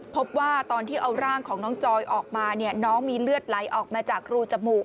พบว่าตอนที่เอาร่างของน้องจอยออกมาเนี่ยน้องมีเลือดไหลออกมาจากรูจมูก